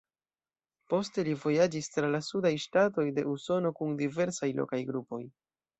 Poste li vojaĝis tra la sudaj ŝtatoj de Usono kun diversaj lokaj grupoj.